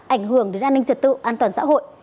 ảnh hưởng đến an ninh trật tự an toàn xã hội